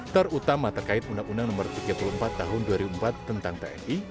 terutama terkait undang undang no tiga puluh empat tahun dua ribu empat tentang tni